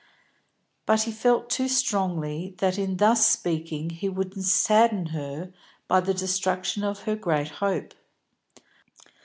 But he felt too strongly that in thus speaking he would sadden her by the destruction of her great hope.